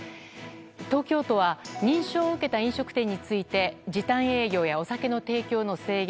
東京都は認証を受けた飲食店について時短営業やお酒の提供の制限